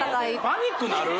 パニックになる？